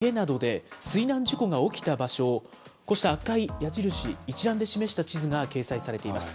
川や湖、池などで水難事故が起きた場所をこうした赤い矢印、一覧で示した地図が掲載されています。